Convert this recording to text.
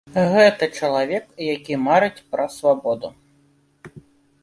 Гэта чалавек, які марыць пра свабоду.